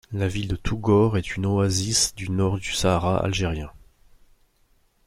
La ville de Touggourt est une oasis du nord du Sahara algérien.